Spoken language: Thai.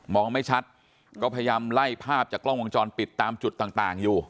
ไม่ชัดก็พยายามไล่ภาพจากกล้องวงจรปิดตามจุดต่างอยู่